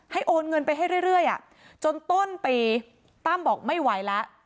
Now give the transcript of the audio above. ให้โอนเงินไปให้เรื่อยเรื่อยอ่ะจนต้นปีตั้มบอกไม่ไหวละ